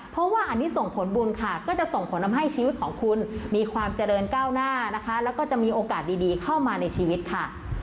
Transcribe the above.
เพราะว่าอันนี้ส่งผลบุญค่ะก็จะส่งผลทำให้ชีวิตของคุณมีความเจริญก้าวหน้านะคะแล้วก็จะมีโอกาสดีเข้ามาในชีวิตค่ะ